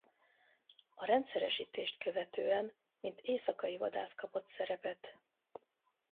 A rendszeresítést követően mint éjszakai vadász kapott szerepet.